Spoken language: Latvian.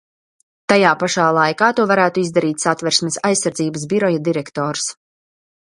Tajā pašā laikā to varētu izdarīt Satversmes aizsardzības biroja direktors.